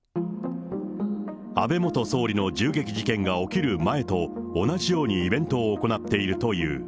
安倍元総理の銃撃事件が起きる前と同じようにイベントを行っているという。